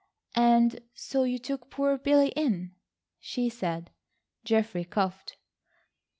"And so you took poor Billy in?" she said. Geoffrey coughed.